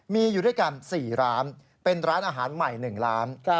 มีอยู่ด้วยกัน๔ร้านเป็นร้านอาหารใหม่๑ร้าน